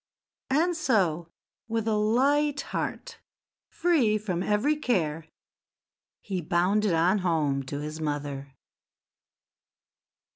And so, with a light heart, free from every care, he bounded on home to his mother.